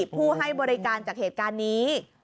ผู้ให้บริการจากเหตุการณ์นี้